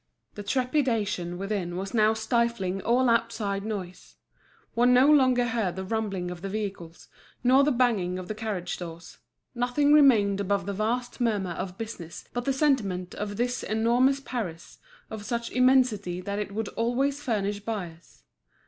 The trepidation within was now stifling all outside noise; one no longer heard the rumbling of the vehicles, nor the banging of the carriage doors; nothing remained above the vast murmur of business but the sentiment of this enormous Paris, of such immensity that it would always furnish buyers.